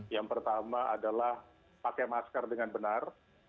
yang pertama adalah pakai masker dengan benar